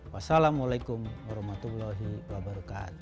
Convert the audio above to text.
wassalamualaikum warahmatullahi wabarakatuh